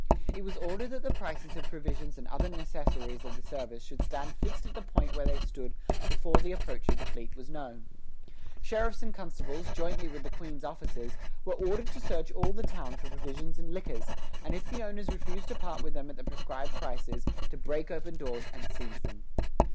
It was ordered that the prices of provisions and other necessaries of the service should stand fixed at the point where they stood before the approach of the fleet was known. Sheriffs and constables, jointly with the Queen's officers, were ordered to search all the town for provisions and liquors, and if the owners refused to part with them at the prescribed prices, to break open doors and seize them.